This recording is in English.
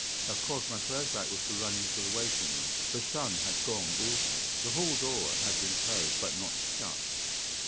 "Of course, my first act was to run into the waiting room. The son had gone also. The hall door had been closed, but not shut.